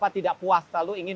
tidak puas selalu ingin